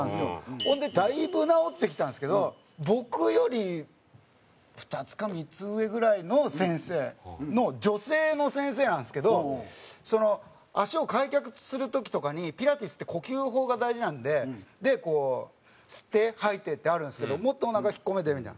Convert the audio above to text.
ほんでだいぶ治ってきたんですけど僕より２つか３つ上ぐらいの先生の女性の先生なんですけどその足を開脚する時とかにピラティスって呼吸法が大事なんででこう吸って吐いてってあるんですけどもっとおなか引っ込めてみたいな。